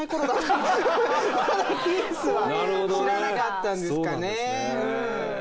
まだピースは知らなかったんですかね。